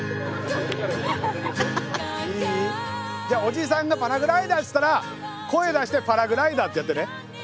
じゃおじさんが「パラグライダー」っつったら声出してパラグライダーってやってね。